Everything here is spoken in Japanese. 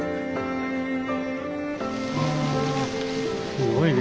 すごいね。